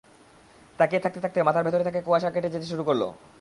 তাকিয়ে থাকতে থাকতে মাথার ভেতর থেকে কুয়াশাটা কেটে যেতে শুরু করল।